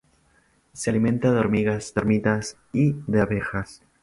Se alimenta de hormigas, termitas y de abejas.